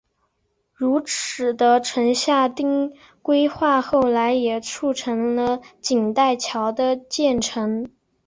如此的城下町规划后来也促成了锦带桥的建成。